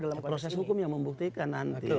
dalam proses hukum yang membuktikan nanti